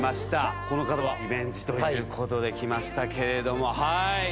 この方はリベンジということで来ましたけれどもはい。